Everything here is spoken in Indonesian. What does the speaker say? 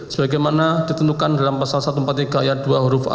sebagaimana ditentukan dalam pasal satu ratus empat puluh tiga ayat dua huruf a